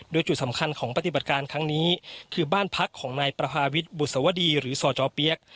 โดยจุดสำคัญของปฏิบัติการครั้งนี้คือบ้านพักของนายประพาวิทย์บุษวดีหรือสจเปี๊ยก